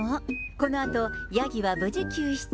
このあとヤギは無事救出。